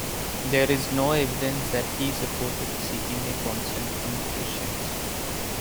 There is no evidence that he supported seeking a consent from patients.